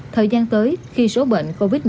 thời gian tới khi số bệnh covid một mươi chín